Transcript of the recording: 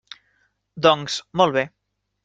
Doncs, molt bé.